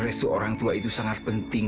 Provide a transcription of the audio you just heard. karena restu orang tua itu sangat penting